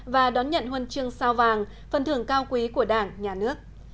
và đón nhận huân chương sao vàng phần thưởng cao quý của đảng nhà nước